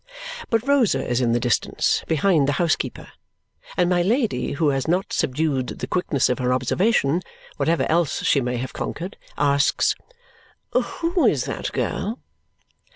But Rosa is in the distance, behind the housekeeper; and my Lady, who has not subdued the quickness of her observation, whatever else she may have conquered, asks, "Who is that girl?"